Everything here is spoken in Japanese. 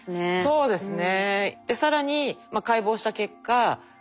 そうですね。